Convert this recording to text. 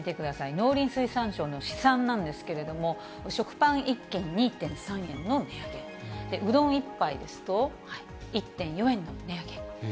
農林水産省の試算なんですけれども、食パン１斤２．３円の値上げ、うどん１杯ですと、１．４円の値上げ。